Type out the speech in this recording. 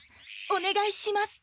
おねがいします。